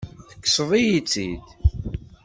Tekkseḍ-iyi-tt-id.